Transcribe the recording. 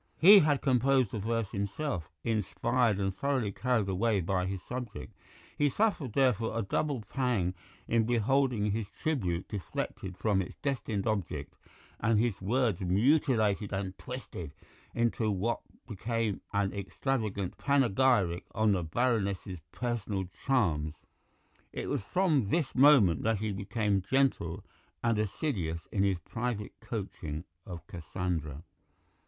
He had composed the verse himself, inspired and thoroughly carried away by his subject; he suffered, therefore, a double pang in beholding his tribute deflected from its destined object, and his words mutilated and twisted into what became an extravagant panegyric on the Baroness's personal charms. It was from this moment that he became gentle and assiduous in his private coaching of Cassandra.